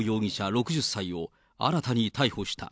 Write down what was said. ６０歳を新たに逮捕した。